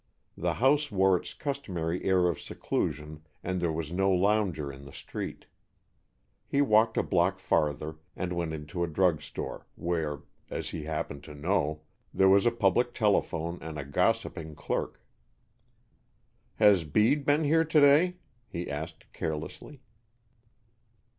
The house wore its customary air of seclusion and there was no lounger in the street. He walked a block farther, and went into a drug store, where, as he happened to know, there was a public telephone and a gossiping clerk. "Has Bede been here to day?" he asked, carelessly.